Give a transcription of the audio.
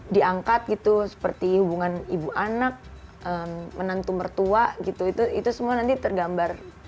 diangkat gitu seperti hubungan ibu anak menantu mertua gitu itu semua nanti tergambar